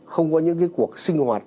không có những cuộc sinh hoạt